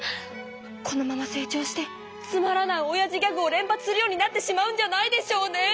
このまま成長してつまらないおやじギャグを連発するようになってしまうんじゃないでしょうね。